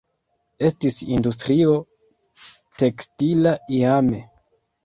Estis industrio tekstila iame.